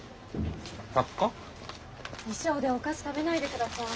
衣装でお菓子食べないでください。